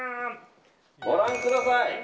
ご覧ください。